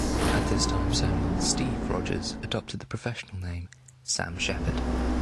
At this time Samuel "Steve" Rogers adopted the professional name Sam Shepard.